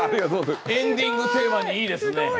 エンディングテーマにいいですね。